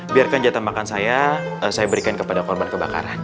biarkan jatah makan saya saya berikan kepada korban kebakaran